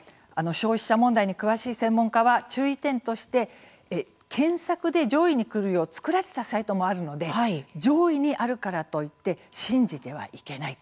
消費者問題に詳しい専門家は注意点として検索で上位にくるよう作られたサイトもあるので上位にあるからといって信じてはいけない。